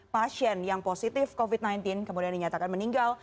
enam puluh delapan pasien yang positif covid sembilan belas kemudian dinyatakan meninggal